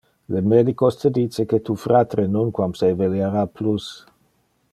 Le medicos te dice que tu fratre nunquam se eveliara plus.